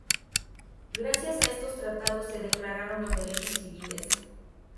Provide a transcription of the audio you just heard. Gracias a estos tratados se declararon los derechos civiles.